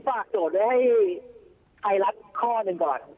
เอาอย่างนี้ดีกว่าผมฝากโจทย์ไว้ให้ใครรับข้อหนึ่งก่อน